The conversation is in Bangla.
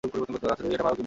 আচ্ছা দেখি, এটা পার কি না।